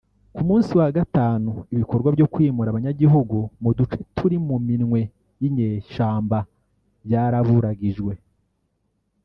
Ku munsi wa gatanu ibikorwa vyo kwimura abanyagihugu mu duce turi mu minwe y'inyeshamba vyaraburagijwe